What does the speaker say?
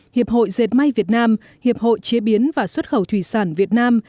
hiệp hội dệt may việt nam hiệp hội chế biến và xuất khẩu thủy sản việt nam